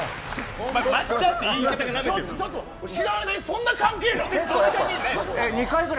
そんな関係なん。